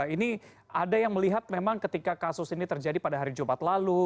ini ada yang melihat memang ketika kasus ini terjadi pada hari jumat lalu